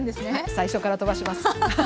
はい最初から飛ばします。